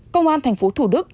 công an thành phố thủ đức